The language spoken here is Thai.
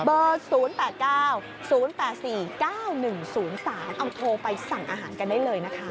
๐๘๙๐๘๔๙๑๐๓เอาโทรไปสั่งอาหารกันได้เลยนะคะ